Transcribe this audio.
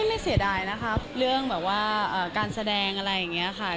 ไม่เสียดายนะครับเรื่องแบบว่าการแสดงอะไรอย่างนี้ค่ะ